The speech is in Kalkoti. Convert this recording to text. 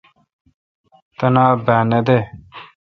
تنا با نہ دہ۔